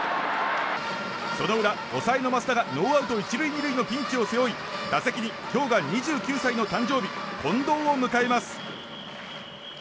その裏、抑えの増田がピンチを背負い打席に今日が２９歳の誕生日、近藤を迎えます。